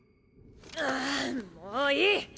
ああもういい！